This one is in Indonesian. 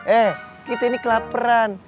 eh kita ini kelaperan